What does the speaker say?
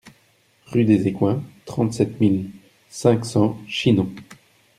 Rue des Écoins, trente-sept mille cinq cents Chinon